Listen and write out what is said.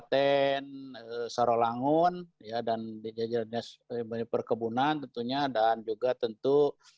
juga pemerintah kabupaten sarawang unia dan di jajaran perkebunan tentunya dan juga tentu